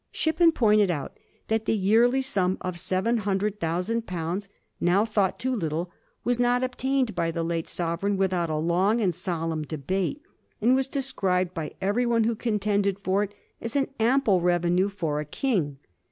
Shippen pointed out that the yearly sum of seven hundred thousand pounds, now thought too little, was not obtained by the late sovereign with out a long and solemn debate, and was described by everyone who contended for it as an ample revenue for a King.